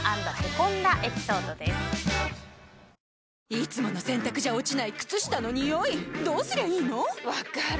いつもの洗たくじゃ落ちない靴下のニオイどうすりゃいいの⁉分かる。